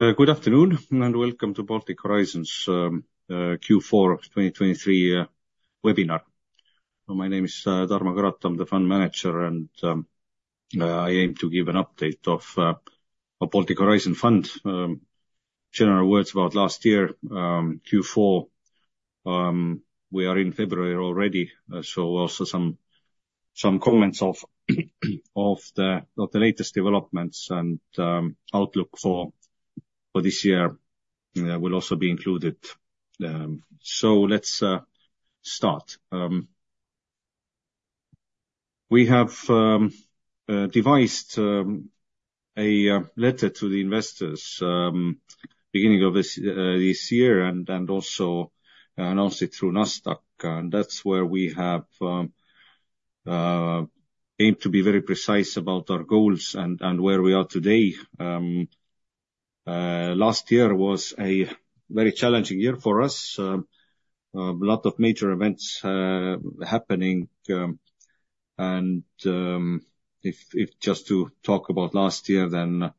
Good afternoon, and welcome to Baltic Horizon's Q4 2023 webinar. My name is Tarmo Karotam, I'm the Fund Manager, and I aim to give an update of Baltic Horizon Fund. General words about last year, Q4, we are in February already, so also some comments of the latest developments and outlook for this year will also be included. So let's start. We have devised a letter to the investors beginning of this year, and also announced it through Nasdaq, and that's where we have aimed to be very precise about our goals and where we are today. Last year was a very challenging year for us. A lot of major events happening, and if just to talk about last year, then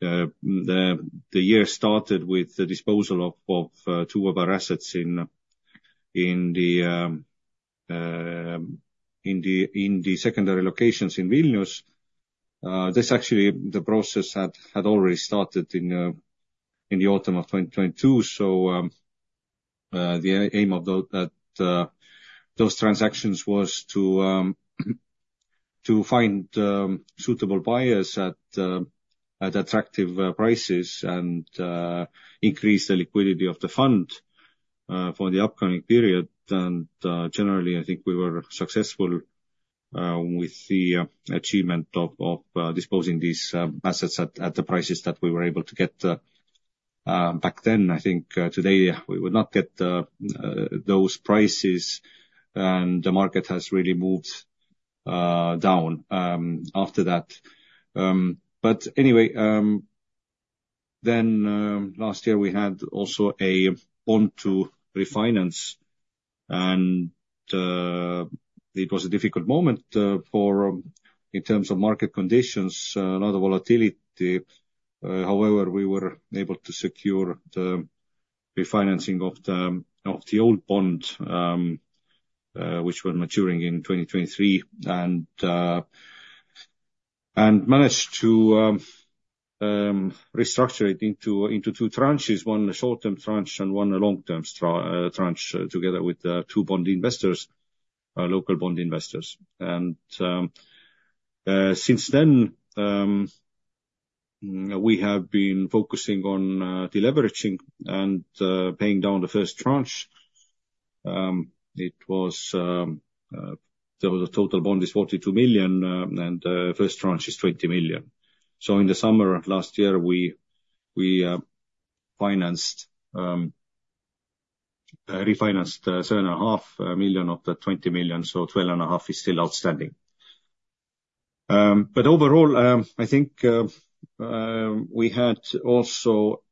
the year started with the disposal of two of our assets in the secondary locations in Vilnius. This actually, the process had already started in the autumn of 2022, so the aim of those transactions was to find suitable buyers at attractive prices and increase the liquidity of the fund for the upcoming period. Generally, I think we were successful with the achievement of disposing these assets at the prices that we were able to get back then. I think, today, we would not get those prices, and the market has really moved down after that. But anyway, then, last year we had also a bond to refinance, and it was a difficult moment for in terms of market conditions, a lot of volatility. However, we were able to secure the refinancing of the old bond, which were maturing in 2023, and managed to restructure it into two tranches, one short-term tranche and one long-term tranche, together with two bond investors, local bond investors. And since then, we have been focusing on deleveraging and paying down the first tranche. It was the total bond is 42 million, and first tranche is 20 million. So in the summer of last year, we refinanced 7.5 million of the 20 million, so 12.5 million is still outstanding. But overall, I think we had also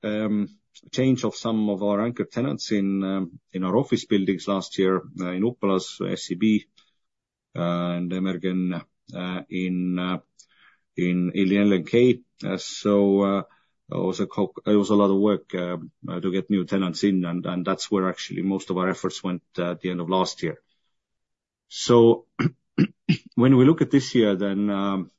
change of some of our anchor tenants in our office buildings last year, in Upmalas, SEB, and Emergn, in Ilien and KATE. So it was a lot of work to get new tenants in, and that's where actually most of our efforts went at the end of last year. So when we look at this year, then,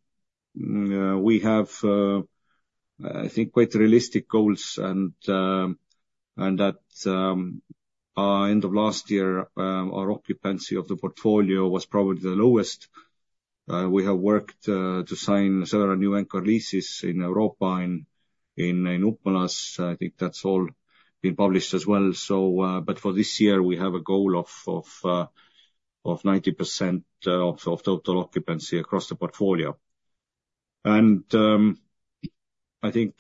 we have, I think, quite realistic goals, and, and at end of last year, our occupancy of the portfolio was probably the lowest. We have worked to sign several new anchor leases in Europa, in Upmalas. I think that's all been published as well. So, but for this year, we have a goal of 90% of total occupancy across the portfolio. And, I think,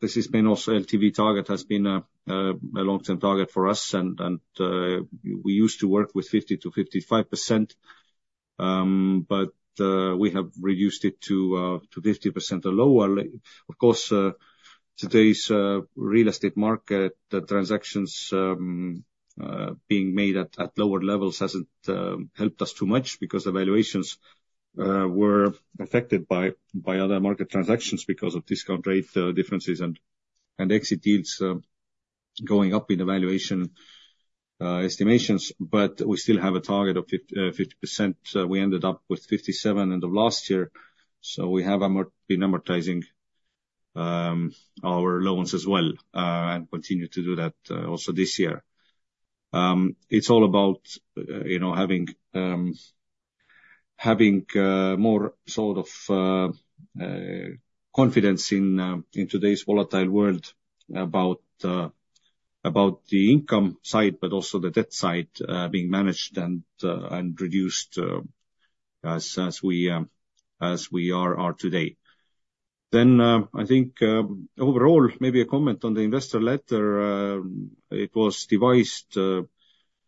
this has been also LTV target has been a long-term target for us, and, we used to work with 50%-55%, but, we have reduced it to 50% or lower. Of course, today's real estate market, the transactions being made at lower levels hasn't helped us too much because evaluations were affected by other market transactions because of discount rate differences and exit deals going up in evaluation estimations, but we still have a target of 50%. We ended up with 57% end of last year, so we have been amortizing our loans as well, and continue to do that also this year. It's all about, you know, having more sort of confidence in today's volatile world about the income side, but also the debt side being managed and reduced, as we are today. Then, I think overall, maybe a comment on the investor letter, it was devised,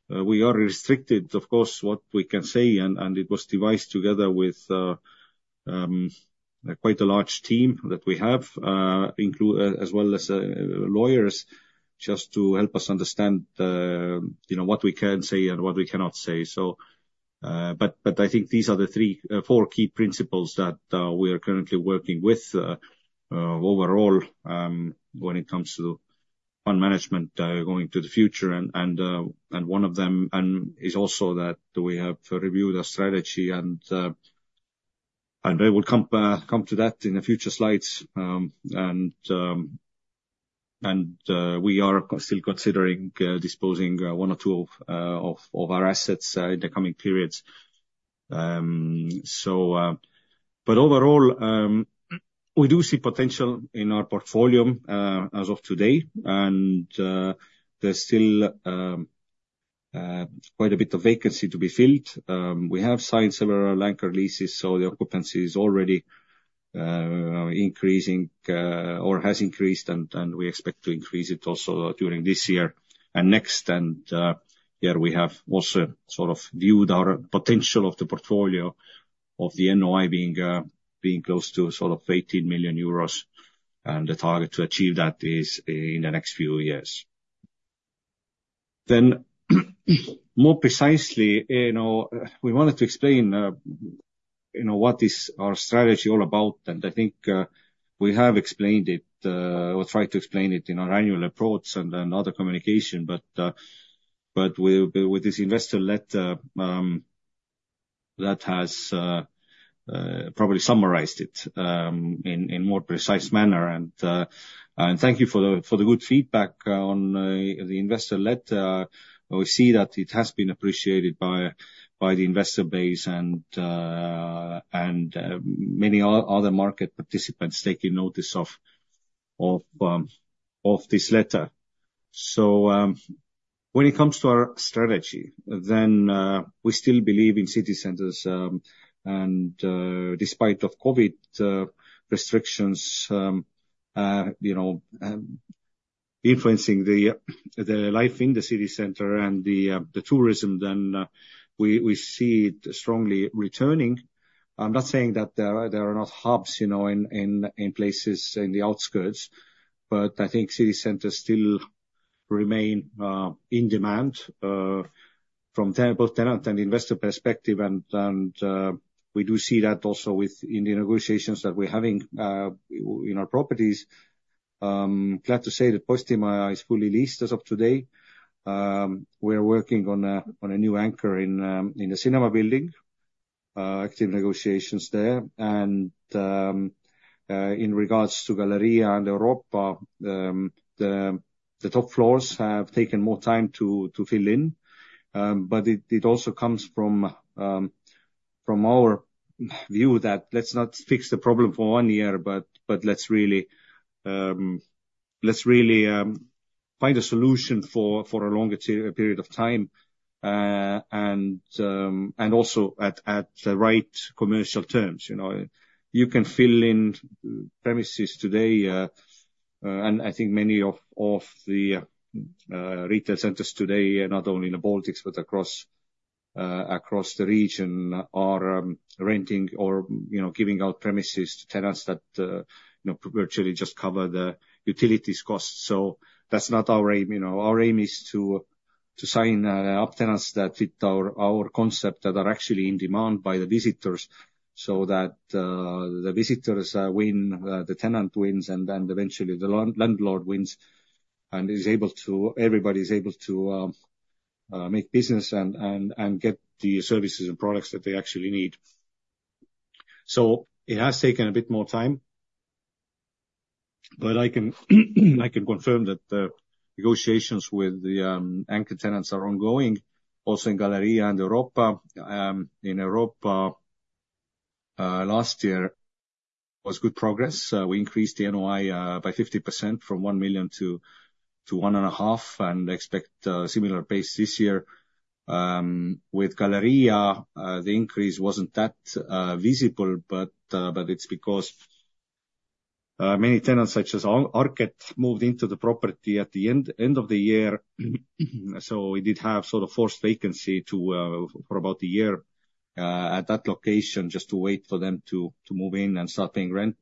we are restricted, of course, what we can say, and it was devised together with quite a large team that we have, as well as lawyers, just to help us understand, you know, what we can say and what we cannot say. But I think these are the three, four key principles that we are currently working with, overall, when it comes to fund management, going to the future and one of them is also that we have reviewed our strategy and I will come to that in the future slides. We are still considering disposing one or two of our assets in the coming periods. So, but overall, we do see potential in our portfolio as of today, and there's still quite a bit of vacancy to be filled. We have signed several anchor leases, so the occupancy is already increasing or has increased, and we expect to increase it also during this year and next. And here we have also sort of viewed our potential of the portfolio of the NOI being close to sort of 18 million euros, and the target to achieve that is in the next few years. Then, more precisely, you know, we wanted to explain, you know, what is our strategy all about, and I think we have explained it, or tried to explain it in our annual reports and other communication. But with this investor letter that has probably summarized it in more precise manner. And thank you for the good feedback on the investor letter. We see that it has been appreciated by the investor base and many other market participants taking notice of this letter. So, when it comes to our strategy, then, we still believe in city centers, and, despite of COVID, restrictions, you know, influencing the life in the city center and the tourism, then, we see it strongly returning. I'm not saying that there are not hubs, you know, in places in the outskirts, but I think city centers still remain in demand from both tenant and investor perspective. And, we do see that also within the negotiations that we're having in our properties. Glad to say that Postimaja is fully leased as of today. We're working on a new anchor in the cinema building, active negotiations there. In regards to Galerija and Europa, the top floors have taken more time to fill in. But it also comes from our view that let's not fix the problem for one year, but let's really find a solution for a longer period of time, and also at the right commercial terms. You know, you can fill in premises today, and I think many of the retail centers today, not only in the Baltics but across the region, are renting or, you know, giving out premises to tenants that you know virtually just cover the utilities costs. So that's not our aim, you know. Our aim is to sign up tenants that fit our concept, that are actually in demand by the visitors. So that the visitors win, the tenant wins, and then eventually the landlord wins and is able to everybody's able to make business and get the services and products that they actually need. So it has taken a bit more time, but I can confirm that the negotiations with the anchor tenants are ongoing also in Galerija and Europa. In Europa, last year was good progress, we increased the NOI by 50%, from 1 million to 1.5 million, and expect a similar pace this year. With Galerija, the increase wasn't that visible, but it's because many tenants, such as Arket... Arket moved into the property at the end of the year. So we did have sort of forced vacancy for about a year at that location, just to wait for them to move in and start paying rent.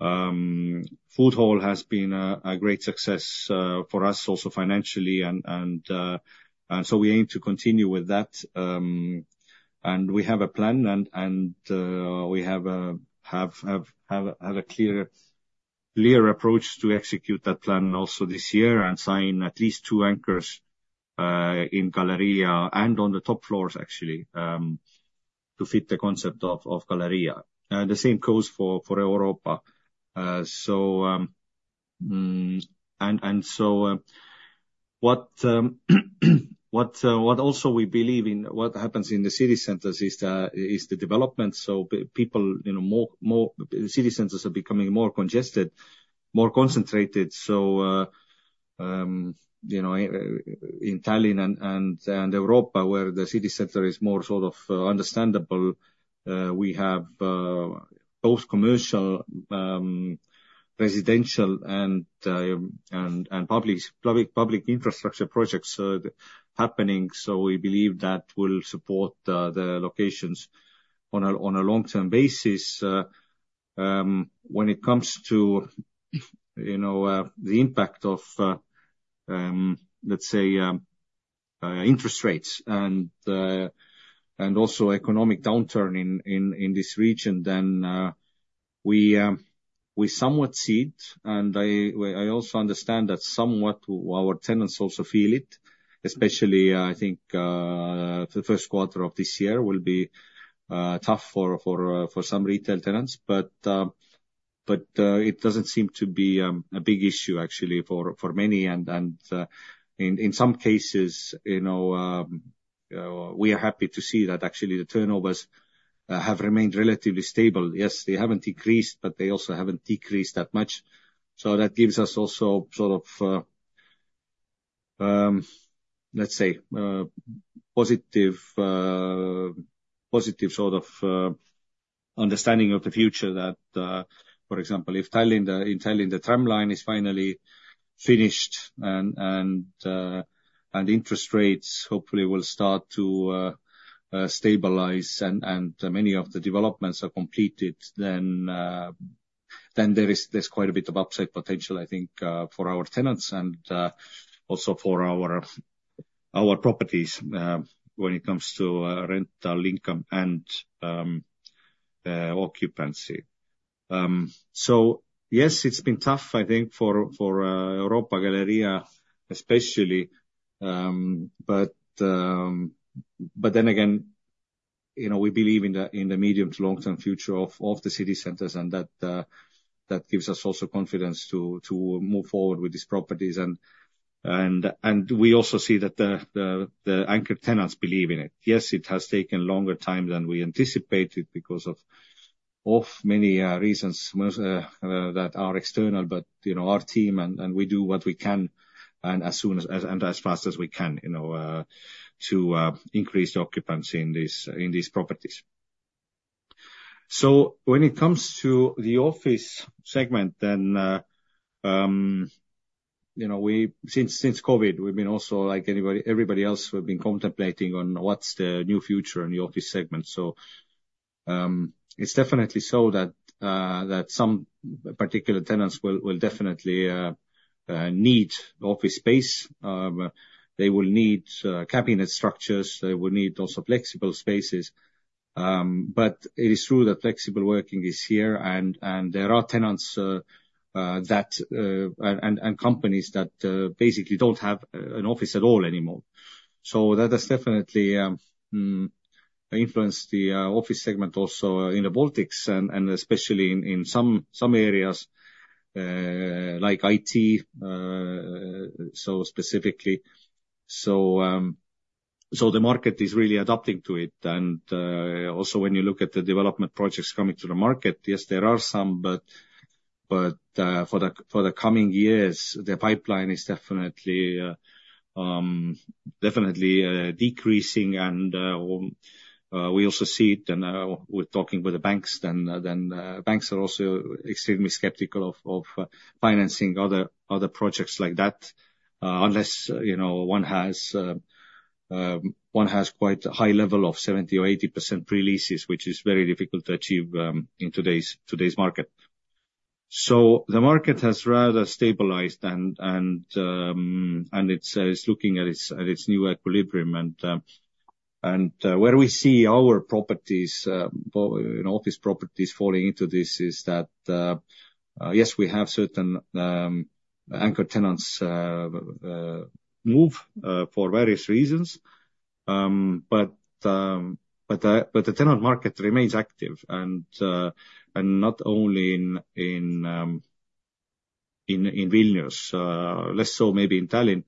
Food hall has been a great success for us, also financially, and so we aim to continue with that. And we have a plan, and we have a clear approach to execute that plan also this year and sign at least two anchors in Galerija and on the top floors, actually, to fit the concept of Galerija. And the same goes for Europa. What also we believe in what happens in the city centers is the development. So people, you know, city centers are becoming more congested, more concentrated. So, you know, in Tallinn and Europa, where the city center is more sort of understandable, we have both commercial, residential, and public infrastructure projects happening, so we believe that will support the locations on a long-term basis. When it comes to, you know, the impact of, let's say, interest rates and the, and also economic downturn in this region, then, we somewhat see it, and I also understand that somewhat our tenants also feel it, especially, I think, the first quarter of this year will be tough for some retail tenants. But, it doesn't seem to be a big issue actually for many, and, in some cases, you know, we are happy to see that actually the turnovers have remained relatively stable. Yes, they haven't decreased, but they also haven't decreased that much. So that gives us also sort of, let's say, positive sort of understanding of the future that, for example, if Tallinn, in Tallinn, the tramline is finally finished and, and interest rates hopefully will start to stabilize and many of the developments are completed, then there is—there's quite a bit of upside potential, I think, for our tenants and also for our properties, when it comes to rental income and occupancy. So yes, it's been tough, I think, for Europa, Galerija especially, but then again, you know, we believe in the medium to long-term future of the city centers, and that gives us also confidence to move forward with these properties. We also see that the anchor tenants believe in it. Yes, it has taken longer time than we anticipated because of many reasons that are external, but, you know, our team and we do what we can, and as soon as, and as fast as we can, you know, to increase the occupancy in these properties. So when it comes to the office segment, you know, since COVID, we've been also like anybody, everybody else, we've been contemplating on what's the new future in the office segment. So, it's definitely so that some particular tenants will definitely need office space. They will need cabinet structures. They will need also flexible spaces. But it is true that flexible working is here, and there are tenants and companies that basically don't have an office at all anymore. So that has definitely influenced the office segment also in the Baltics and especially in some areas like IT so specifically. So the market is really adapting to it, and also when you look at the development projects coming to the market, yes, there are some, but for the coming years, the pipeline is definitely decreasing. We also see it, and we're talking with the banks. Then banks are also extremely skeptical of financing other projects like that, unless you know one has quite a high level of 70% or 80% pre-leases, which is very difficult to achieve in today's market. So the market has rather stabilized, and it's looking at its new equilibrium. And where we see our properties, you know, office properties falling into this is that yes, we have certain anchor tenants move for various reasons. But the tenant market remains active, and not only in Vilnius, less so maybe in Tallinn,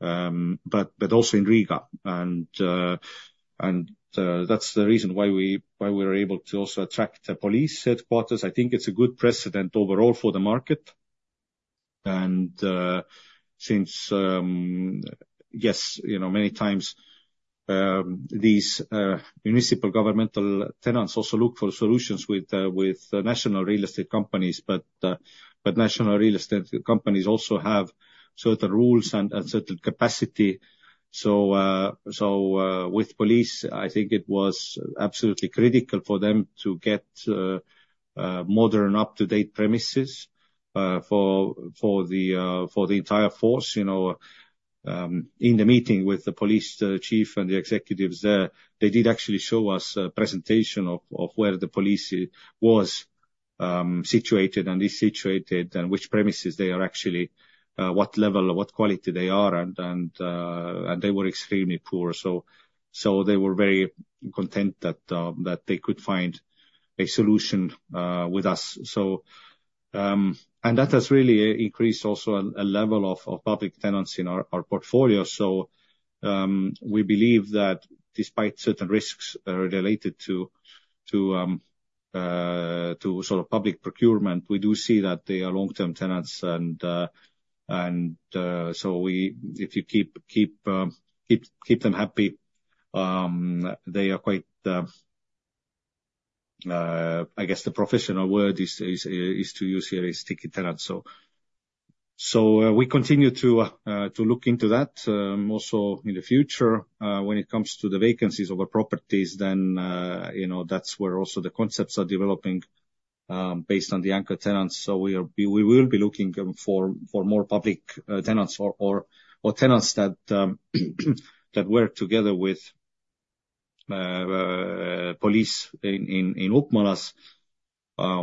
but also in Riga. And that's the reason why we were able to also attract the police headquarters. I think it's a good precedent overall for the market. And since yes, you know, many times these municipal governmental tenants also look for solutions with national real estate companies, but national real estate companies also have certain rules and certain capacity. So, with police, I think it was absolutely critical for them to get modern, up-to-date premises for the entire force. You know, in the meeting with the police chief and the executives there, they did actually show us a presentation of where the police was situated and is situated, and which premises they are actually what level or what quality they are, and they were extremely poor. So they were very content that they could find a solution with us. So and that has really increased also a level of public tenants in our portfolio. So, we believe that despite certain risks related to sort of public procurement, we do see that they are long-term tenants, and so we—if you keep them happy, they are quite, I guess the professional word to use here is sticky tenants. So, we continue to look into that also in the future when it comes to the vacancies of our properties, then you know, that's where also the concepts are developing based on the anchor tenants. So we will be looking for more public tenants or tenants that work together with police in Upmalas.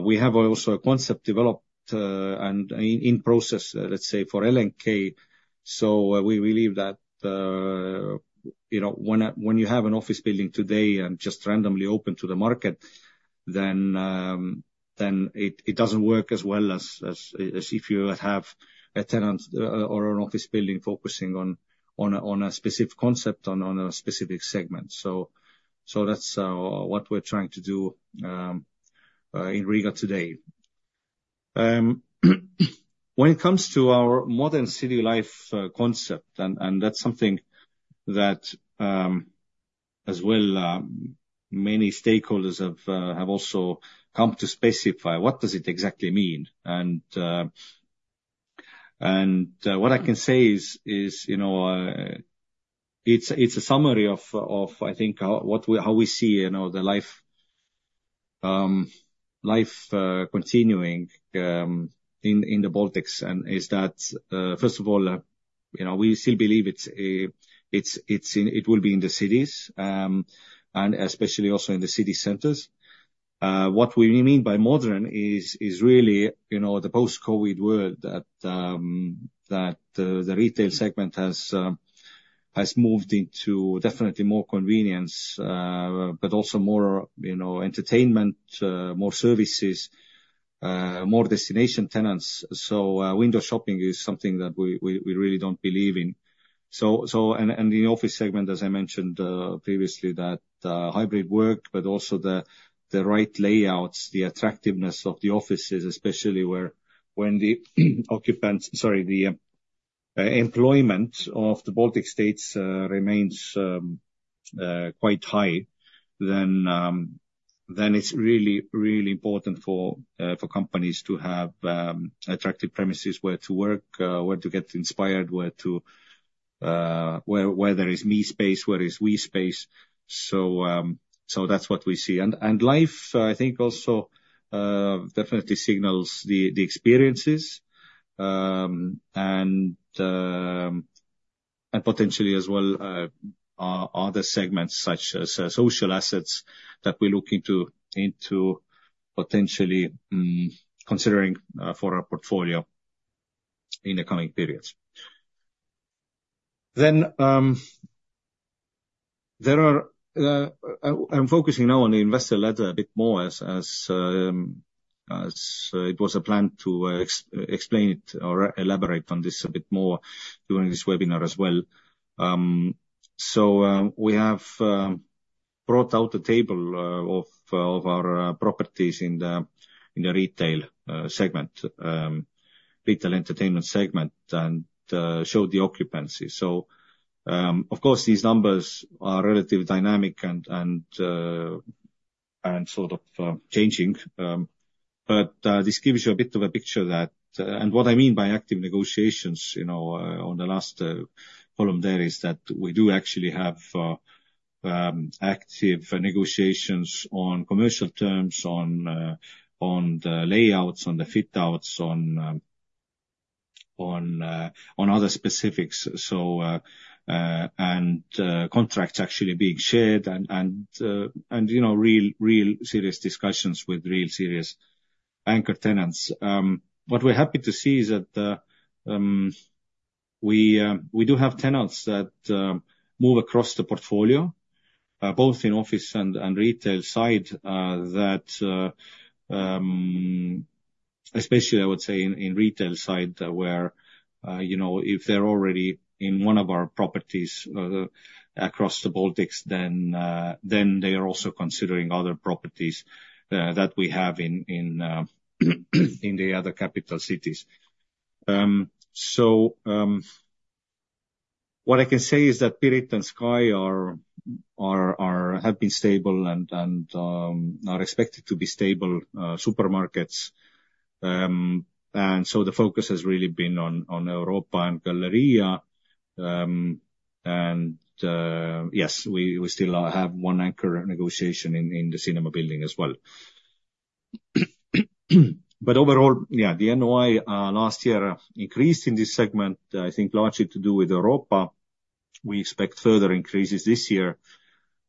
We have also a concept developed and in process, let's say, for LNK. So we believe that, you know, when you have an office building today and just randomly open to the market, then it doesn't work as well as if you have a tenant or an office building focusing on a specific concept, on a specific segment. So that's what we're trying to do in Riga today. When it comes to our modern city life concept, and that's something that as well many stakeholders have also come to specify what does it exactly mean? What I can say is, you know, it's a summary of, I think, how we see, you know, the life continuing in the Baltics. That is, first of all, you know, we still believe it's in, it will be in the cities, and especially also in the city centers. What we mean by modern is really, you know, the post-COVID world that the retail segment has moved into definitely more convenience, but also more, you know, entertainment, more services, more destination tenants. So, window shopping is something that we really don't believe in. So, and the office segment, as I mentioned previously, that hybrid work, but also the right layouts, the attractiveness of the offices, especially when the occupants, sorry, the employment of the Baltic States remains quite high, then it's really, really important for companies to have attractive premises where to work, where to get inspired, where there is me space, where is we space. So, that's what we see. And life, I think also definitely signals the experiences, and potentially as well other segments such as social assets that we're looking into potentially considering for our portfolio in the coming periods. Then, I'm focusing now on the investor letter a bit more as it was a plan to explain it or elaborate on this a bit more during this webinar as well. So, we have brought out a table of our properties in the retail entertainment segment, and show the occupancy. So, of course, these numbers are relatively dynamic and sort of changing, but this gives you a bit of a picture that... And what I mean by active negotiations, you know, on the last column there is that we do actually have active negotiations on commercial terms, on the layouts, on the fit outs, on other specifics. So, contracts actually being shared and you know, real, real serious discussions with real serious anchor tenants. What we're happy to see is that we do have tenants that move across the portfolio, both in office and retail side, that especially, I would say in retail side, where you know, if they're already in one of our properties across the Baltics, then they are also considering other properties that we have in the other capital cities. So, what I can say is that Pirita and Sky have been stable and are expected to be stable supermarkets. And so the focus has really been on Europa and Galerija. Yes, we still have one anchor negotiation in the cinema building as well. But overall, yeah, the NOI last year increased in this segment, I think largely to do with Europa. We expect further increases this year.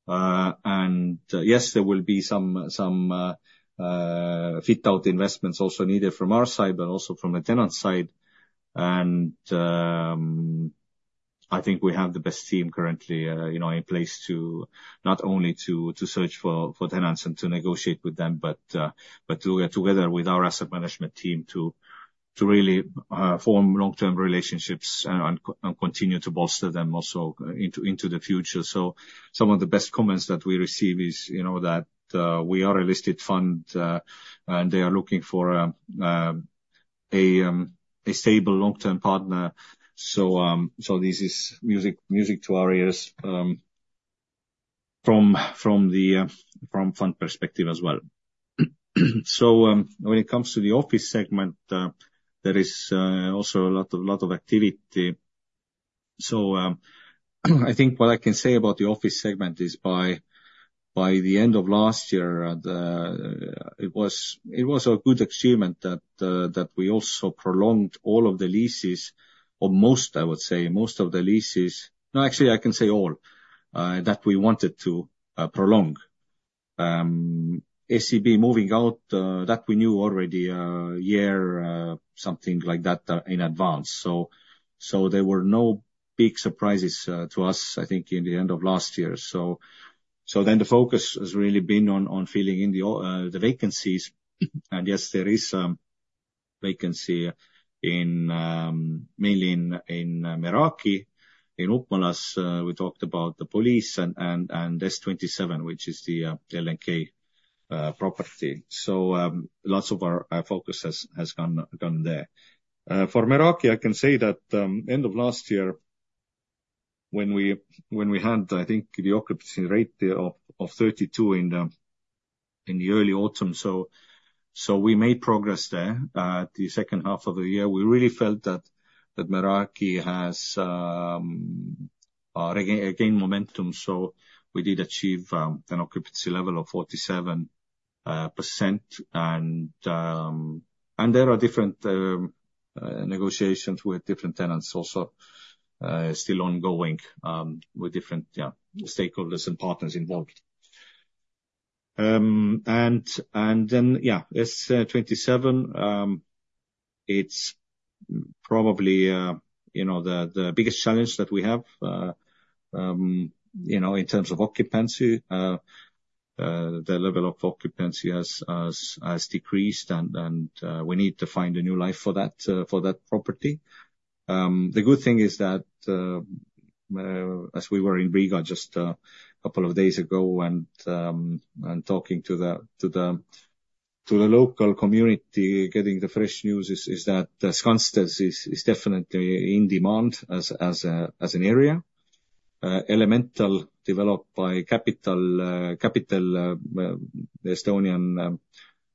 Yes, there will be some fit out investments also needed from our side, but also from a tenant side. I think we have the best team currently, you know, in place to not only search for tenants and to negotiate with them, but to work together with our asset management team to really form long-term relationships and continue to bolster them also into the future. So some of the best comments that we receive is, you know, that we are a listed fund, and they are looking for a stable long-term partner. So, so this is music to our ears from the fund perspective as well. So, when it comes to the office segment, there is also a lot of activity. So, I think what I can say about the office segment is by the end of last year, it was a good achievement that we also prolonged all of the leases, or most, I would say, most of the leases—no, actually, I can say all that we wanted to prolong. SEB moving out, that we knew already, year something like that in advance. So there were no big surprises to us, I think, in the end of last year. So then the focus has really been on filling in the vacancies. And yes, there is vacancy mainly in Meraki. In Upmalas, we talked about the police and S27, which is the LNK property. So lots of our focus has gone there. For Meraki, I can say that end of last year, when we had, I think, the occupancy rate there of 32% in the early autumn. So we made progress there. The second half of the year, we really felt that Meraki has regained momentum, so we did achieve an occupancy level of 47%. And there are different negotiations with different tenants also still ongoing with different stakeholders and partners involved. And then S27, it's probably you know the biggest challenge that we have. You know, in terms of occupancy, the level of occupancy has decreased, and we need to find a new life for that property. The good thing is that, as we were in Riga just a couple of days ago and talking to the local community, getting the fresh news is that Skanstes is definitely in demand as an area. Elemental, developed by Kapitel, the Estonian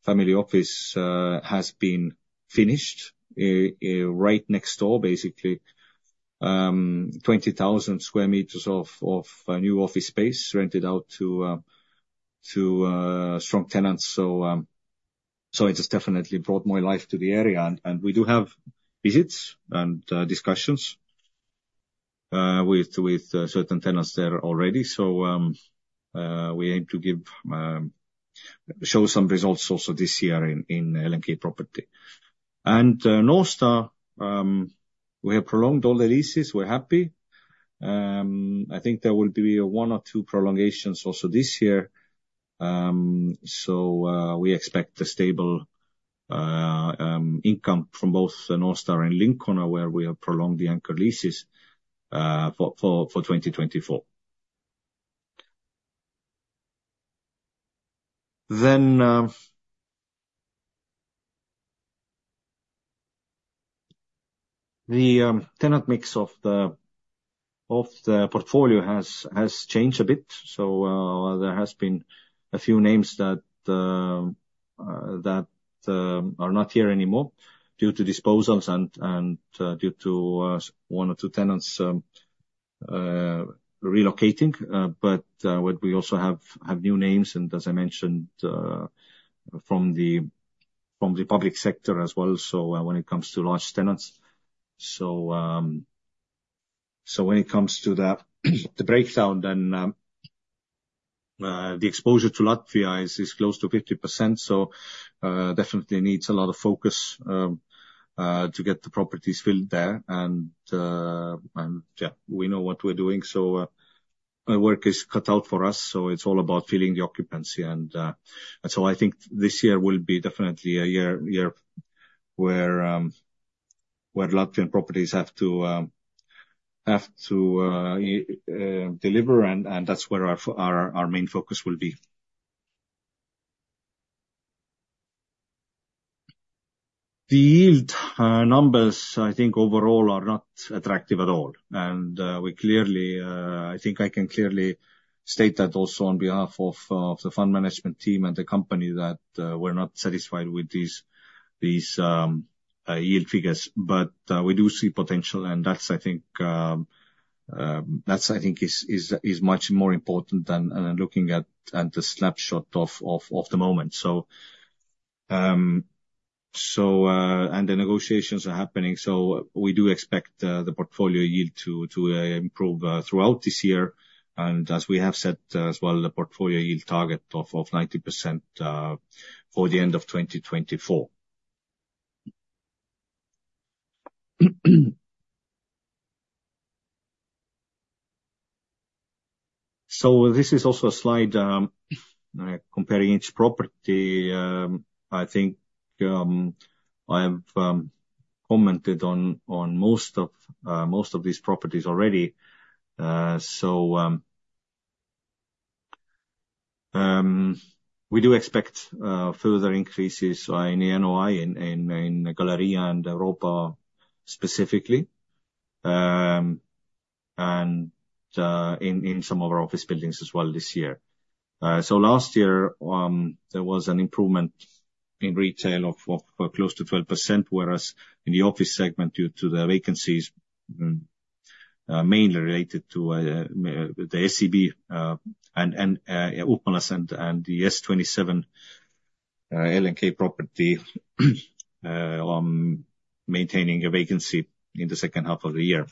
family office, has been finished right next door, basically. 20,000 square meters of new office space rented out to strong tenants. So, it has definitely brought more life to the area, and we do have visits and discussions with certain tenants there already. So, we aim to give, show some results also this year in LNK property. And, Nordstar, we have prolonged all the leases. We're happy. I think there will be one or two prolongations also this year. We expect a stable income from both Nordstar and Lincona, where we have prolonged the anchor leases for 2024. Then, the tenant mix of the portfolio has changed a bit. So, there has been a few names that are not here anymore due to disposals and due to one or two tenants relocating. But, what we also have new names, and as I mentioned, from the public sector as well, so when it comes to large tenants. So, so when it comes to the breakdown, then, the exposure to Latvia is close to 50%, so, definitely needs a lot of focus to get the properties filled there. And, yeah, we know what we're doing, so, work is cut out for us, so it's all about filling the occupancy. And, and so I think this year will be definitely a year where Latvian properties have to deliver, and that's where our our main focus will be. The yield numbers, I think overall are not attractive at all. And, we clearly, I think I can clearly state that also on behalf of the fund management team and the company, that, we're not satisfied with these yield figures. But we do see potential, and that's, I think, is much more important than looking at the snapshot of the moment. So, and the negotiations are happening, so we do expect the portfolio yield to improve throughout this year. And as we have said as well, the portfolio yield target of 90% for the end of 2024. So this is also a slide comparing each property. I think I have commented on most of these properties already. So we do expect further increases in the NOI in Galerija and Europa specifically. And in some of our office buildings as well this year. So last year, there was an improvement in retail of close to 12%, whereas in the office segment, due to the vacancies, mainly related to the SEB and Upmalas and the S-27 LNK property on maintaining a vacancy in the second half of the year.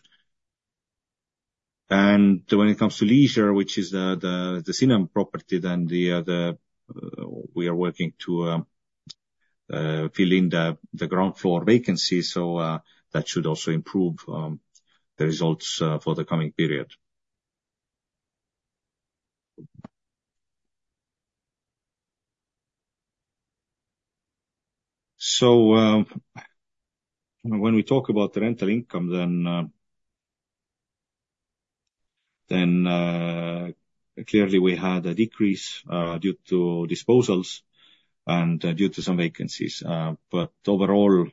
And when it comes to leisure, which is the cinema property, then we are working to fill in the ground floor vacancy. So that should also improve the results for the coming period. So when we talk about the rental income, then clearly we had a decrease due to disposals and due to some vacancies. But overall,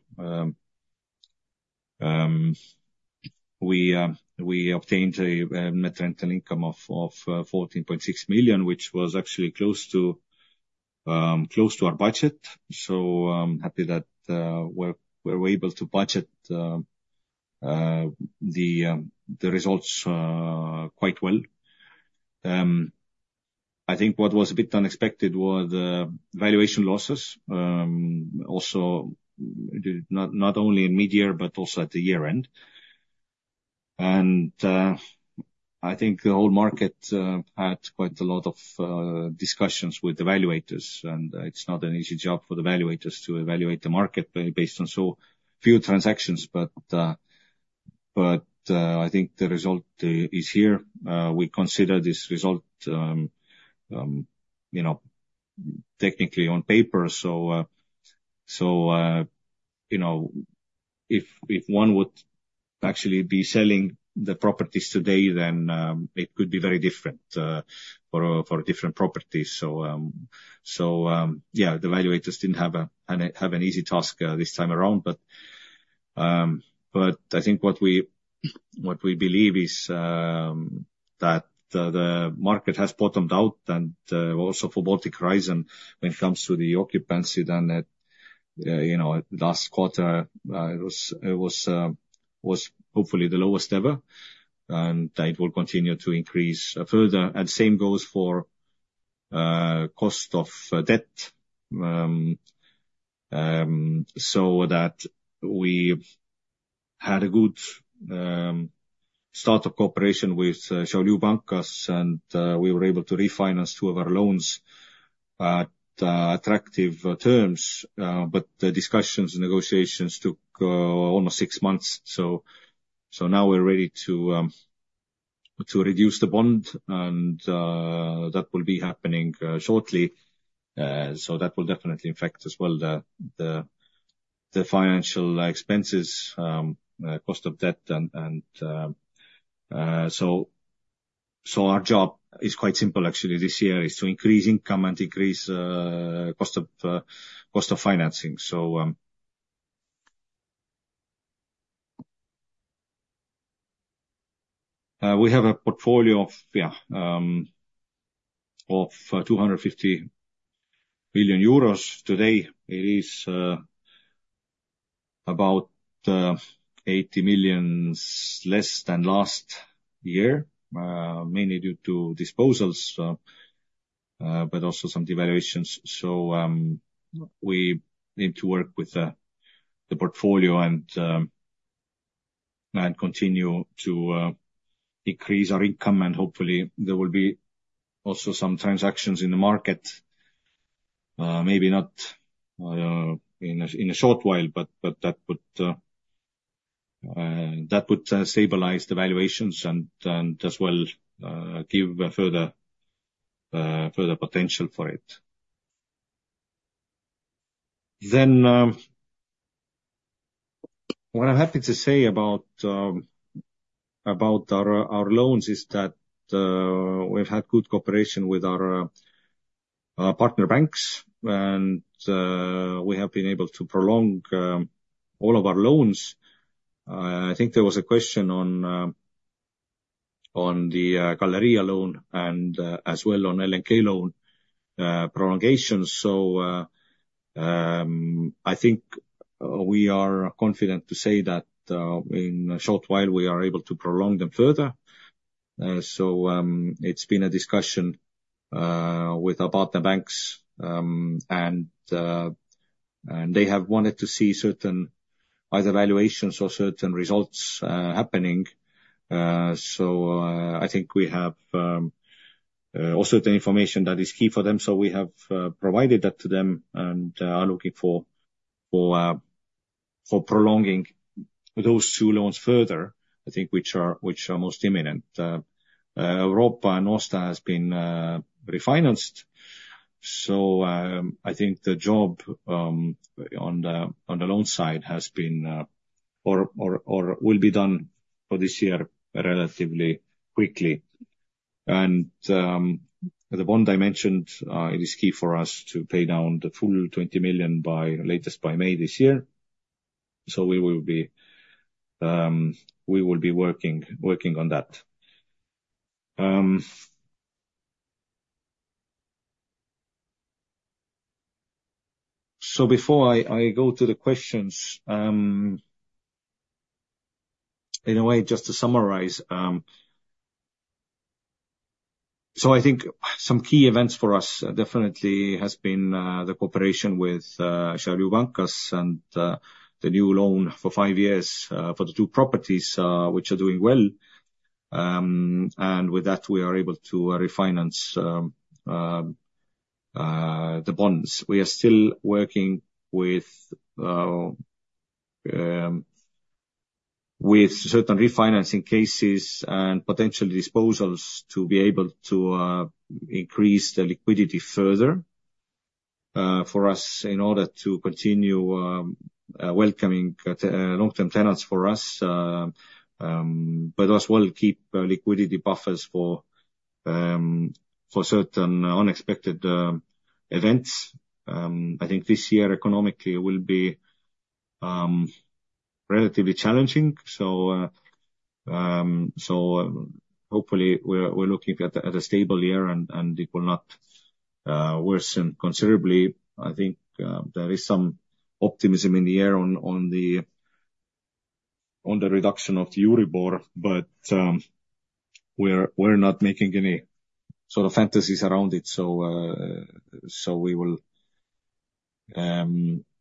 we obtained a net rental income of 14.6 million, which was actually close to our budget. So I'm happy that we were able to budget the results quite well. I think what was a bit unexpected was valuation losses, also not only in mid-year, but also at the year-end. I think the whole market had quite a lot of discussions with evaluators, and it's not an easy job for the evaluators to evaluate the market based on so few transactions. But I think the result is here. We consider this result, you know, technically on paper. So, you know, if one would actually be selling the properties today, then it could be very different for different properties. So, yeah, the evaluators didn't have an easy task this time around. But I think what we believe is that the market has bottomed out. And also for Baltic Horizon, when it comes to the occupancy, then that you know last quarter it was hopefully the lowest ever, and it will continue to increase further. And same goes for cost of debt. So that we've had a good start of cooperation with Šiaulių bankas, and we were able to refinance 2 of our loans at attractive terms. But the discussions and negotiations took almost six months. So now we're ready to reduce the bond, and that will be happening shortly. So that will definitely affect as well the financial expenses, cost of debt and... So our job is quite simple actually, this year, is to increase income and decrease cost of financing. So we have a portfolio of 250 billion euros. Today, it is about 80 million less than last year, mainly due to disposals, but also some devaluations. So, we need to work with the portfolio and continue to increase our income, and hopefully, there will be also some transactions in the market, maybe not in a short while, but that would stabilize the valuations and as well further potential for it. Then, what I'm happy to say about our loans is that, we've had good cooperation with our partner banks, and we have been able to prolong all of our loans. I think there was a question on the Galerija loan and as well on LNK loan prolongation. So, I think we are confident to say that, in a short while, we are able to prolong them further. So, it's been a discussion with our partner banks, and they have wanted to see certain either valuations or certain results happening. So, I think we have also the information that is key for them. So we have provided that to them and are looking for prolonging those two loans further, I think, which are most imminent. Europa and Nordstar has been refinanced. So, I think the job on the loan side has been or will be done for this year relatively quickly. And, the bond I mentioned, it is key for us to pay down the full 20 million by latest by May this year. So we will be working on that. So before I go to the questions, in a way, just to summarize. So I think some key events for us definitely has been the cooperation with Šiaulių bankas and the new loan for five years for the two properties which are doing well. And with that, we are able to refinance the bonds. We are still working with certain refinancing cases and potential disposals to be able to increase the liquidity further for us in order to continue welcoming long-term tenants for us, but as well keep liquidity buffers for certain unexpected events. I think this year economically will be relatively challenging. So, hopefully we're looking at a stable year and it will not worsen considerably. I think there is some optimism in the air on the reduction of the Euribor, but we're not making any sort of fantasies around it, so we will...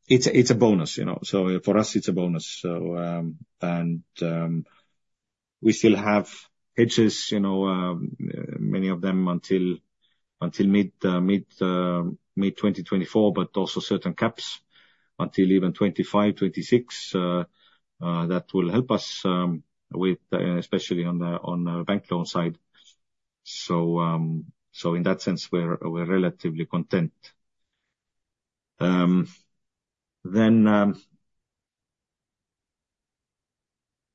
It's a bonus, you know, so for us, it's a bonus. So, and we still have hedges, you know, many of them until mid-2024, but also certain caps until even 2025, 2026, that will help us, especially on the bank loan side. So, in that sense, we're relatively content. Then,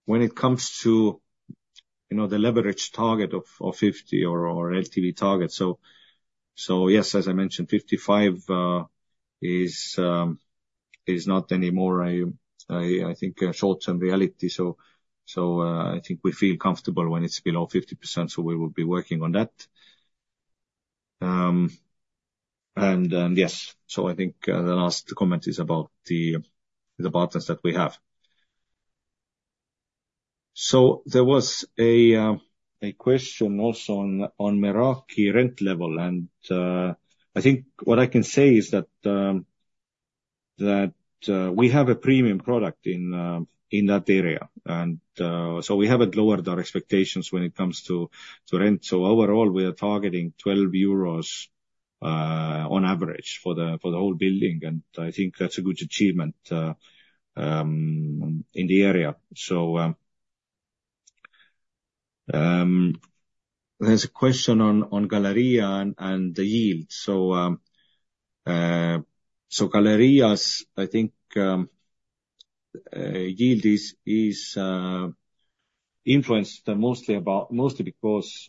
when it comes to, you know, the leverage target of 50 or LTV target, so yes, as I mentioned, 55 is not anymore a short-term reality. So, I think we feel comfortable when it's below 50%, so we will be working on that. And yes, so I think the last comment is about the partners that we have. So there was a question also on Meraki rent level, and I think what I can say is that we have a premium product in that area. And so we haven't lowered our expectations when it comes to rent. So overall, we are targeting 12 euros on average for the whole building, and I think that's a good achievement in the area. So there's a question on Galerija and the yield. So Galerija's yield is influenced mostly about, mostly because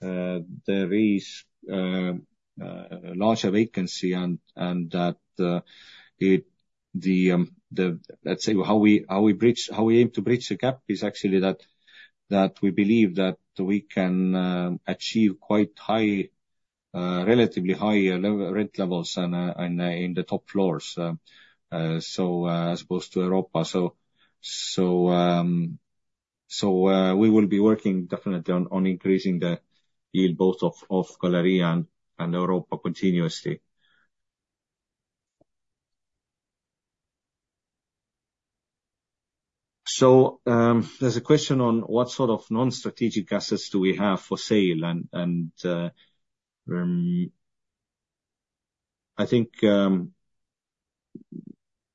there is larger vacancy and that it, the, the, let's say, how we bridge, how we aim to bridge the gap is actually that we believe that we can achieve quite high, relatively high rent levels and in the top floors so as opposed to Europa. So we will be working definitely on increasing the yield both off Galerija and Europa continuously. So, there's a question on what sort of non-strategic assets do we have for sale? I think, you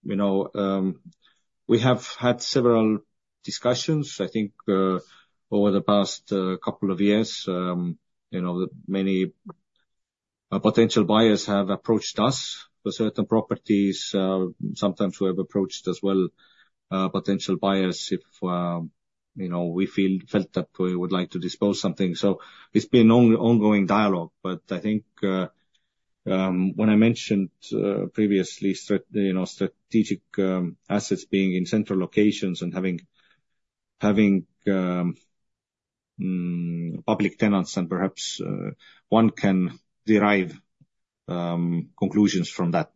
know, we have had several discussions, I think, over the past couple of years, you know, that many potential buyers have approached us for certain properties. Sometimes we have approached as well, potential buyers if, you know, we felt that we would like to dispose something. So it's been ongoing dialogue, but I think, when I mentioned previously, you know, strategic assets being in central locations and having public tenants and perhaps one can derive conclusions from that.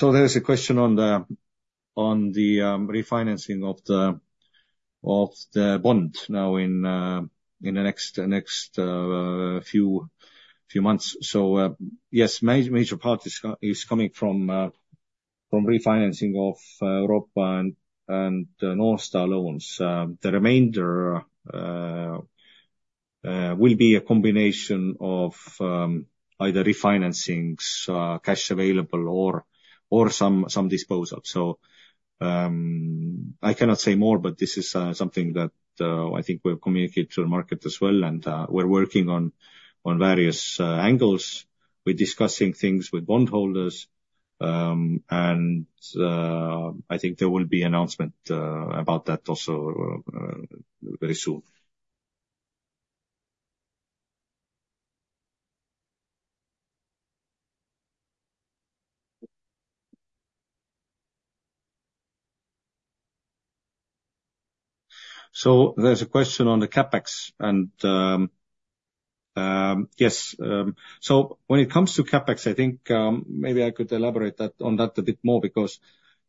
So there's a question on the refinancing of the bond now in the next few months. So, yes, major part is coming from refinancing of Europa and North Star loans. The remainder will be a combination of either refinancings, cash available or some disposal. So, I cannot say more, but this is something that I think we've communicated to the market as well, and we're working on various angles. We're discussing things with bondholders, and I think there will be announcement about that also very soon. So there's a question on the CapEx, and yes. So when it comes to CapEx, I think, maybe I could elaborate that, on that a bit more because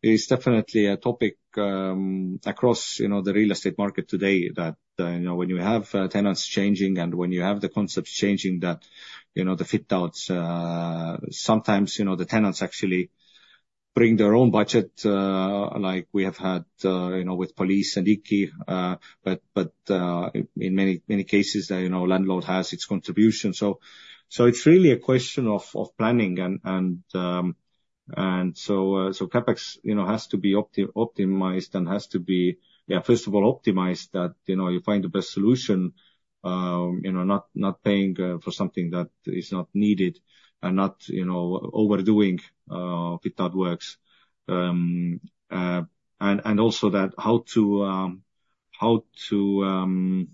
it's definitely a topic, across, you know, the real estate market today that, you know, when you have, tenants changing and when you have the concepts changing, that, you know, the fit outs, sometimes, you know, the tenants actually bring their own budget, like we have had, you know, with police and IKI. But, but, in many, many cases, you know, landlord has its contribution. So it's really a question of planning and so CapEx, you know, has to be optimized and has to be, yeah, first of all, optimized that, you know, you find the best solution, you know, not paying for something that is not needed and not, you know, overdoing without works. And also that how to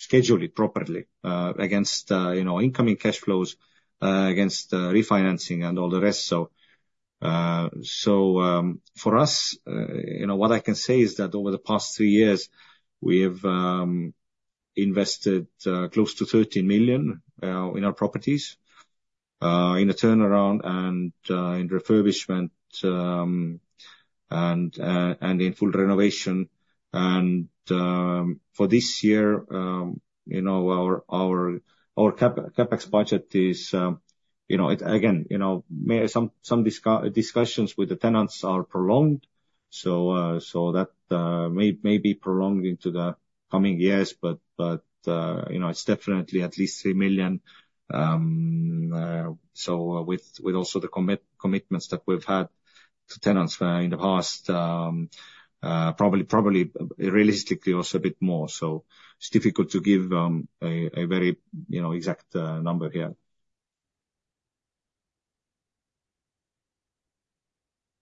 schedule it properly against, you know, incoming cash flows against refinancing and all the rest. So for us, you know, what I can say is that over the past three years, we have invested close to 13 million in our properties in a turnaround and in refurbishment and in full renovation. For this year, you know, our CapEx budget is, you know, it again, you know, may, some discussions with the tenants are prolonged. So that may be prolonged into the coming years, but you know, it's definitely at least 3 million. So with also the commitments that we've had to tenants in the past, probably realistically also a bit more so. It's difficult to give a very exact number here.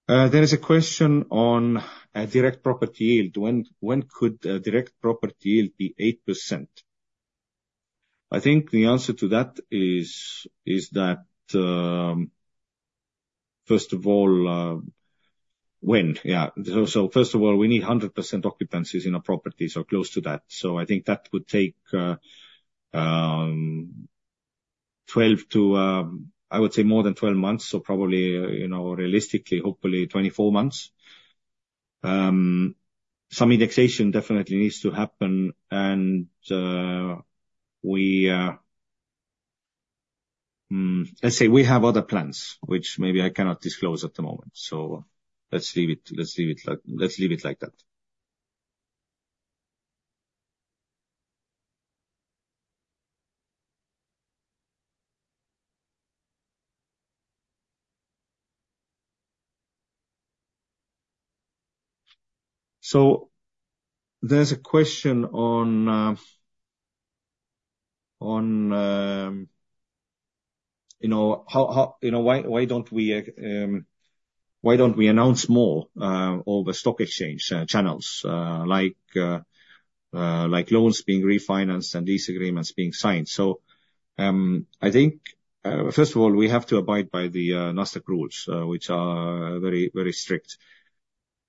There is a question on a direct property yield. When could a direct property yield be 8%? I think the answer to that is that first of all, when? Yeah, so, so first of all, we need 100% occupancies in our properties or close to that. So I think that would take, twelve to, I would say more than 12 months, so probably, you know, realistically, hopefully 24 months. Some indexation definitely needs to happen, and, we, let's say we have other plans, which maybe I cannot disclose at the moment. So let's leave it, let's leave it like that. So there's a question on, on, you know, how, how. You know, why, why don't we, why don't we announce more, over stock exchange, channels, like, like loans being refinanced and lease agreements being signed? So, I think, first of all, we have to abide by the, Nasdaq rules, which are very, very strict.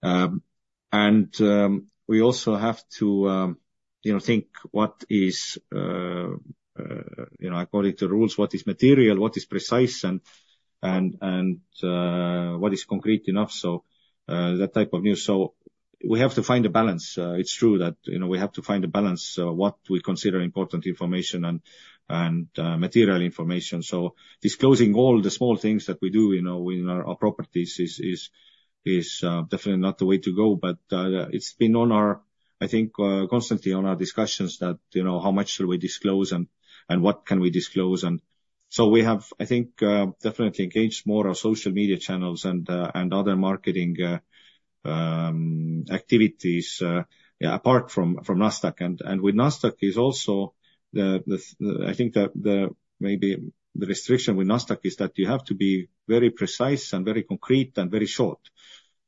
And, we also have to, you know, think what is, you know, according to rules, what is material, what is precise, and, and, and, what is concrete enough, so, that type of news. So we have to find a balance. It's true that, you know, we have to find a balance, what we consider important information and, and, material information. So disclosing all the small things that we do, you know, in our properties is definitely not the way to go. But, it's been on our, I think, constantly on our discussions that, you know, how much should we disclose and, and what can we disclose, and so we have, I think, definitely engaged more our social media channels and, and other marketing activities, yeah, apart from Nasdaq. And with Nasdaq is also the, I think, maybe the restriction with Nasdaq is that you have to be very precise and very concrete and very short.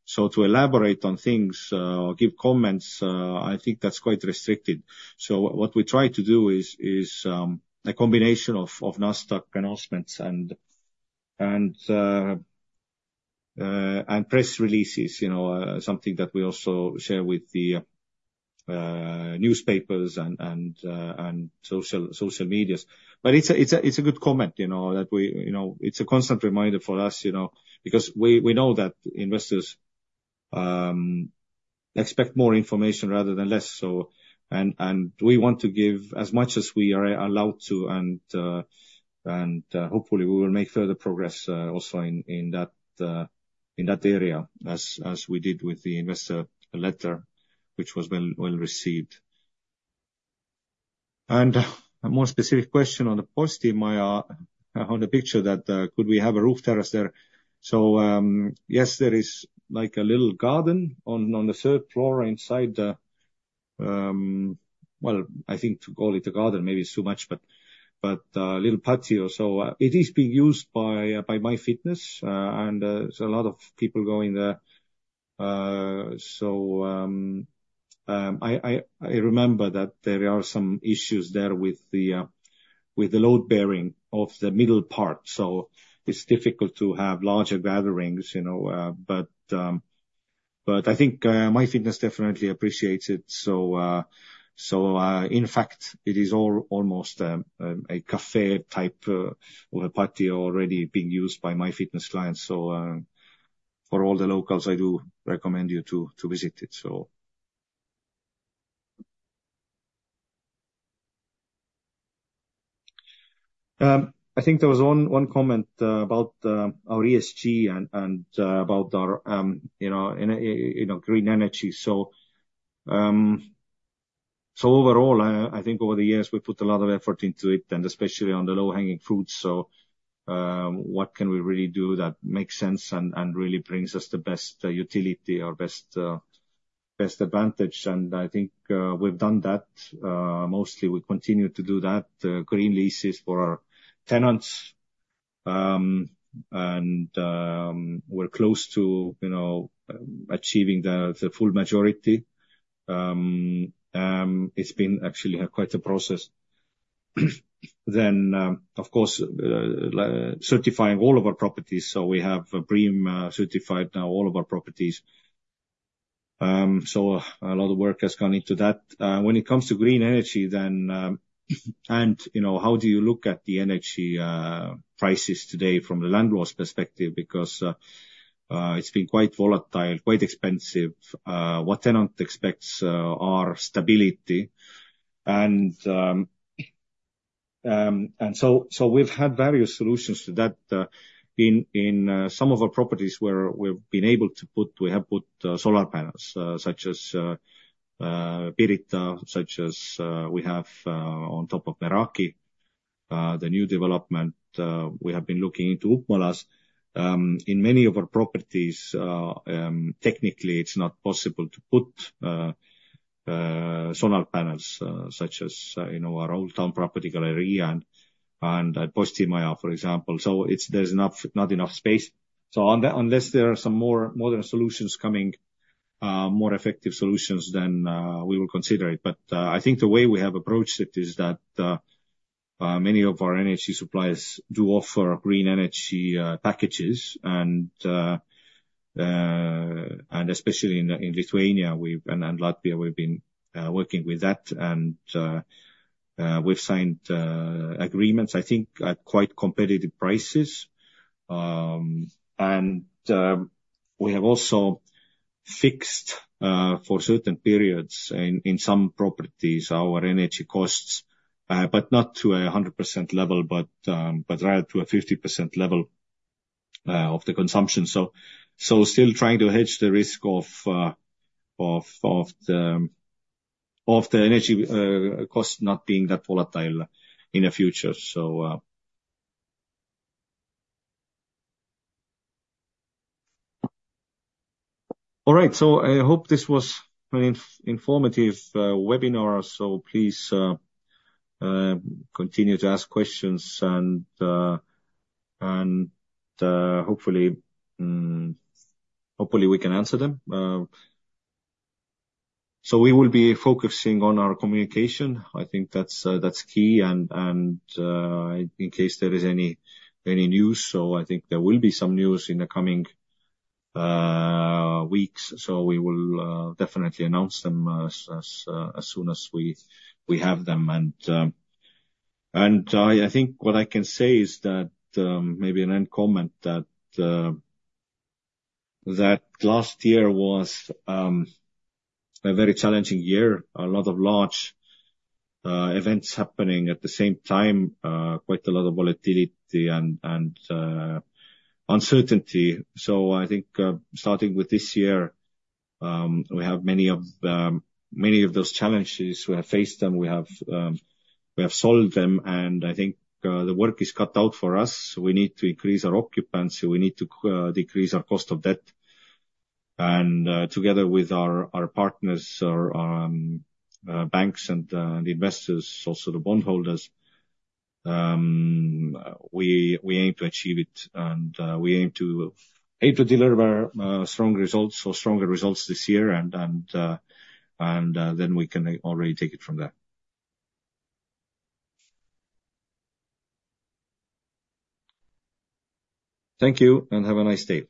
So to elaborate on things, give comments, I think that's quite restricted. So what we try to do is a combination of Nasdaq announcements and press releases, you know, something that we also share with the newspapers and social medias. But it's a good comment, you know, that we, you know, it's a constant reminder for us, you know, because we know that investors-... expect more information rather than less so, and we want to give as much as we are allowed to, and hopefully we will make further progress also in that area, as we did with the investor letter, which was well-received. A more specific question on the Postimaja, on the picture that could we have a roof terrace there? Yes, there is like a little garden on the third floor inside the... Well, I think to call it a garden, maybe it's too much, but a little patio. It is being used by MyFitness, and there's a lot of people going there. So, I remember that there are some issues there with the load bearing of the middle part, so it's difficult to have larger gatherings, you know, but I think MyFitness definitely appreciates it. So, in fact, it is all almost a cafe type or a patio already being used by MyFitness clients. So, for all the locals, I do recommend you to visit it, so. I think there was one comment about our ESG and about our, you know, you know, green energy. So overall, I think over the years, we put a lot of effort into it, and especially on the low-hanging fruits. So, what can we really do that makes sense and really brings us the best utility or best advantage? And I think we've done that. Mostly we continue to do that, green leases for our tenants. And we're close to, you know, achieving the full majority. It's been actually quite a process. Then, of course, certifying all of our properties, so we have BREEAM certified now all of our properties. So a lot of work has gone into that. When it comes to green energy, then, and you know, how do you look at the energy prices today from the landlord's perspective? Because it's been quite volatile, quite expensive. What tenant expects are stability and so we've had various solutions to that in some of our properties where we've been able to put, we have put, solar panels such as Pirita, such as we have on top of Meraki, the new development, we have been looking into Ukmergės. In many of our properties, technically, it's not possible to put solar panels such as in our old town property, Galerija, and Postimaja, for example. So there's not enough space. So on that, unless there are some more modern solutions coming, more effective solutions, then we will consider it. But, I think the way we have approached it is that, many of our energy suppliers do offer green energy packages, and, and especially in Lithuania and Latvia, we've been working with that, and, we've signed agreements, I think, at quite competitive prices. And, we have also fixed, for certain periods in some properties, our energy costs, but not to a 100% level, but, but rather to a 50% level of the consumption. So, still trying to hedge the risk of the energy cost not being that volatile in the future. So... All right, so I hope this was an informative webinar. So please, continue to ask questions and, and, hopefully, hopefully, we can answer them. So we will be focusing on our communication. I think that's, that's key and, and, in case there is any, any news, so I think there will be some news in the coming, weeks. So we will, definitely announce them as, as, as soon as we, we have them. And, and I, I think what I can say is that, maybe an end comment, that, that last year was, a very challenging year, a lot of large, events happening at the same time, quite a lot of volatility and, and, uncertainty. So I think, starting with this year, we have many of the, many of those challenges. We have faced them, we have, we have solved them, and I think, the work is cut out for us. We need to increase our occupancy, we need to, decrease our cost of debt. And, together with our, our partners, our, banks and, the investors, also the bondholders, we, we aim to achieve it, and, we aim to deliver, strong results or stronger results this year, and, and, and, then we can already take it from there. Thank you, and have a nice day.